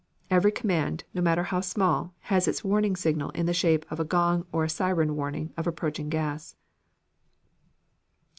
Every command, no matter how small, has its warning signal in the shape of a gong or a siren warning of approaching gas.